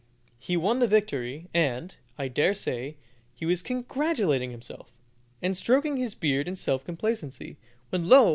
He won the victory, and, I dare say, he was congratulating himself, and stroking his beard in self complacency, when, lo!